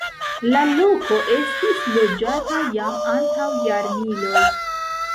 La loko estis loĝata jam antaŭ jarmiloj.